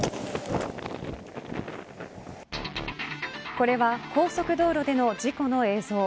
これは高速道路での事故の映像。